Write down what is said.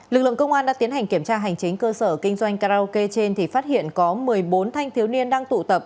lực lượng công an đã tiến hành kiểm tra hành chính cơ sở kinh doanh karaoke trên thì phát hiện có một mươi bốn thanh thiếu niên đang tụ tập